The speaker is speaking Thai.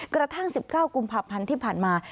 กระทั่ง๑๙กุมภาพันธ์ที่ผ่านมา